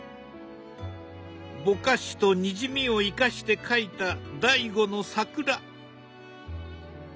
ぼかしとにじみを生かして描いた「醍醐」の桜。